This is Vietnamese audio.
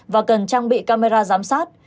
và cần trang bị camera giám sát